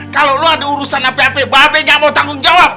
kalo lo ada urusan ap ap babeg gak mau tanggung jawab